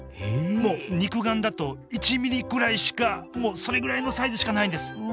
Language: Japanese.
もう肉眼だと１ｍｍぐらいしかもうそれぐらいのサイズしかないんですうわ